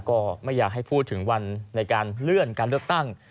ก็ไม่อยากให้พูดถึงวันในการเลื่อนการเลือกตั้ง